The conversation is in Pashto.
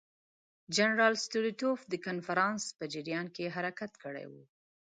جنرال ستولیتوف د کنفرانس په جریان کې حرکت کړی وو.